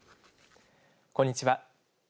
こんにちは。